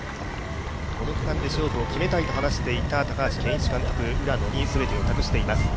この区間で勝負を決めたいと話していた高橋健一監督、浦野に全てを託しています。